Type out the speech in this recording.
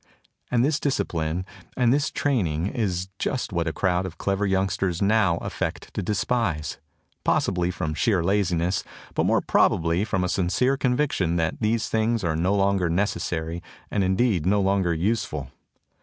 And this discipline and this training is just what a crowd of clever youngsters now affect to despise, possibly from sheer laziness, but more probably from a sincere conviction that these things are no longer neces sary and indeed no longer useful.